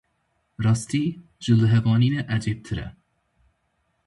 Rastî, ji lihevanînê ecêbtir e.